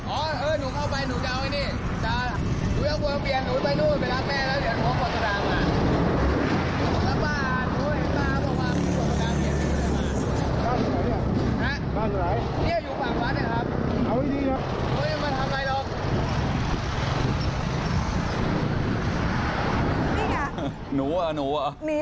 อ๋อเออหนูเข้าไปหนูเดาให้นี่